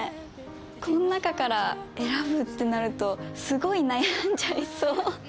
この中から選ぶってなるとすごい悩んじゃいそう。